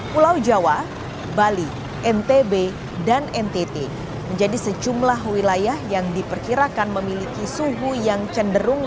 pulau jawa bali ntb dan ntt menjadi sejumlah wilayah yang diperkirakan memiliki suhu yang cenderung